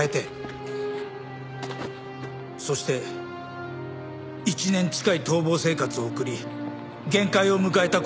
そして１年近い逃亡生活を送り限界を迎えた頃。